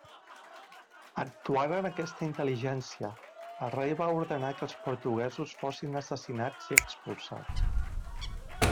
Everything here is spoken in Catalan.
Actuant en aquesta intel·ligència, el rei va ordenar que els portuguesos fossin assassinats i expulsats.